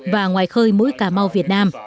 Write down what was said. và ngoài khơi mũi cà mau việt nam